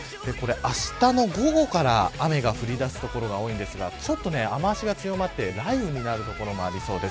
あしたの午後から雨が降りだす所が多いんですが雨脚が強まって雷雨になる所がありそうです。